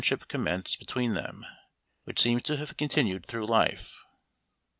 ship commenced between them, which seems to have continued through life.